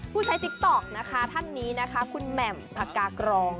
ผู้ใช้ดิคโต๊คอ่ะท่านนี้คุณแหม่มผักกากรอง